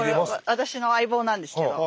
私の相棒なんですけど。